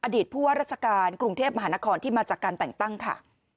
ผู้ว่าราชการกรุงเทพมหานครที่มาจากการแต่งตั้งค่ะ